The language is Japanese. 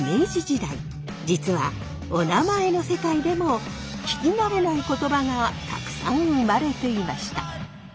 実はおなまえの世界でも聞き慣れない言葉がたくさん生まれていました。